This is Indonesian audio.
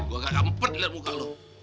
gue gak gampet liat muka lu